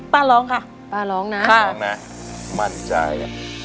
ป้าร้องค่ะป้าร้องนะป้าร้องนะมั่นใจ